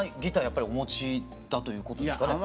やっぱりお持ちだということですかね？